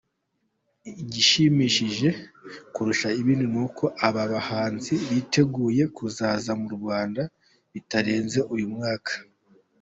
Igishimishije kurusha ibindi ni uko aba bahanzi biteguye kuzaza mu Rwanda bitarenze uyu mwaka.